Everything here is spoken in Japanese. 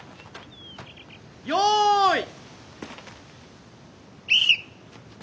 よい。